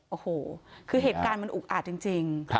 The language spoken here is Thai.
โอ้โหคือเหตุการณ์มันอุกอาจจริง